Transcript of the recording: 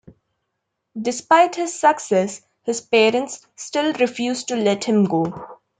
Despite his success, his parents still refuse to let him go.